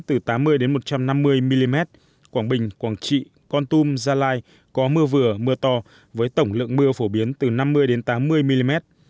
từ tám mươi một trăm năm mươi mm quảng bình quảng trị con tum gia lai có mưa vừa mưa to với tổng lượng mưa phổ biến từ năm mươi tám mươi mm